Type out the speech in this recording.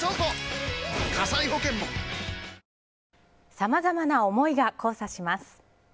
さまざまな思いが交差します。